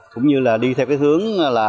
cũng như là đi theo hướng